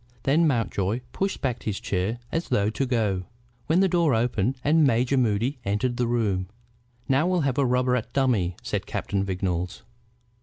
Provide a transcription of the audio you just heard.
Then Mountjoy pushed back his chair as though to go, when the door opened and Major Moody entered the room. "Now we'll have a rubber at dummy," said Captain Vignolles.